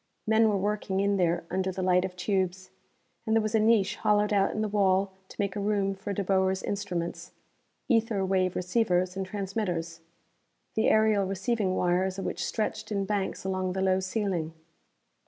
Men were working in there under the light of tubes. And there was a niche hollowed out in the wall to make a room for De Boer's instruments ether wave receivers and transmitters, the aerial receiving wires of which stretched in banks along the low ceiling.